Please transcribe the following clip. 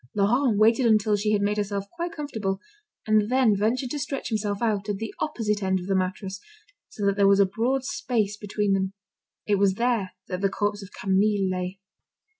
Laurent waited until she had made herself quite comfortable, and then ventured to stretch himself out at the opposite edge of the mattress, so that there was a broad space between them. It was there that the corpse of Camille lay.